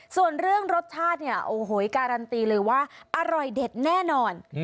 ส่วนเรื่องรสชาติเนี่ยโอ้โหการันตีเลยว่าอร่อยเด็ดแน่นอน